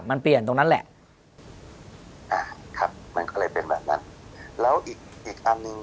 มันเปลี่ยนตรงนั้นแหละอ่าครับมันก็เลยเป็นแบบนั้นแล้วอีกอีกอันหนึ่ง